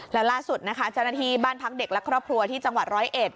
แล้วล่าสุดนะคะเจ้าหน้าที่บ้านพักเด็กและครอบครัวที่จังหวัดร้อยเอ็ด